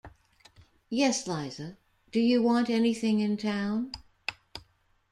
Yes, Liza; do you want anything in town?